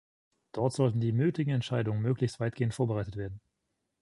Dort sollten die nötigen Entscheidungen möglichst weitgehend vorbereitet werden.